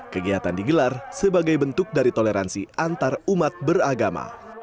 kegiatan digelar sebagai bentuk dari toleransi antar umat beragama